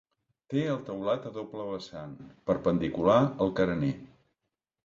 Té el teulat a doble vessant, perpendicular al carener.